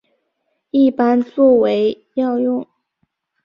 一般作为药用。